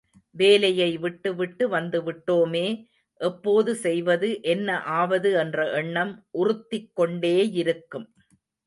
வேலையை விட்டு விட்டு வந்து விட்டோமே, எப்போது செய்வது என்ன ஆவது என்ற எண்ணம் உறுத்திக் கொண்டேயிருக்கும்.